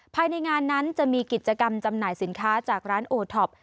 ภายในงานนั้นจะมีกิจกรรมจำหน่ายสินค้าจากร้านโอท็อป